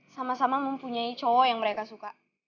sama sama mempunyai cowok yang mereka suka